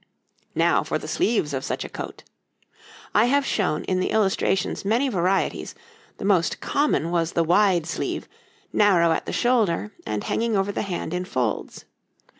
Now for the sleeves of such a coat. I have shown in the illustrations many varieties, the most common was the wide sleeve, narrow at the shoulder, and hanging over the hand in folds.